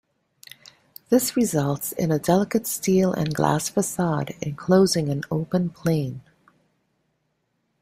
This results in a delicate steel and glass facade enclosing an open plane.